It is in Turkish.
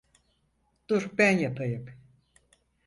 Dur ben yapayım.